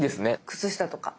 靴下とか。